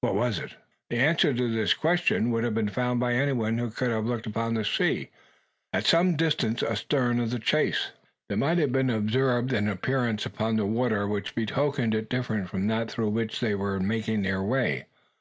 What was it? The answer to this interrogatory would have been found by anyone who could have looked upon the sea, at some distance astern of the chase. There might have been observed an appearance upon the water, which betokened it different from that through which they were making their way.